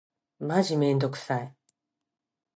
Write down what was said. マジめんどくさい。